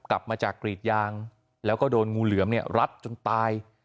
กลับมาจากกรีดยางแล้วก็โดนงูเหลือมเนี่ยรัดจนตาย